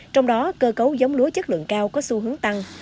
trong đó cơ cấu giống lúa chất lượng cao có xu hướng tăng